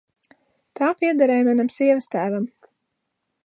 Tā piederēja manam sievastēvam.